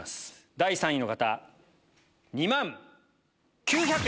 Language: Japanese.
第３位の方２万９００円。